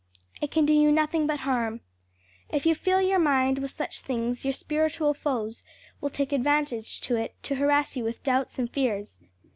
It can do you nothing but harm. If you fill your mind with such things your spiritual foes will take advantage of it to harass you with doubts and fears.